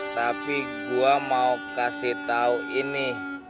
tapi gue mau kasih tahu ini